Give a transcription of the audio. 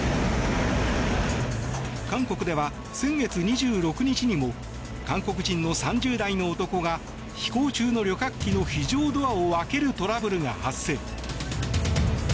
韓国では先月２６日にも韓国人の３０代の男が飛行中の旅客機の非常ドアを開けるトラブルが発生。